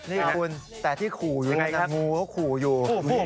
นี่เป็นแต่ที่ผูลอยู่นะ